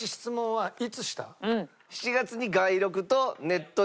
はい。